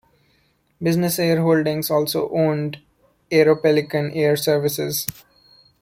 Business Air Holdings also owned Aeropelican Air Services.